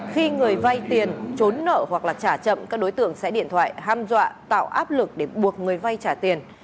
khi người vay tiền trốn nợ hoặc trả chậm các đối tượng sẽ điện thoại ham dọa tạo áp lực để buộc người vay trả tiền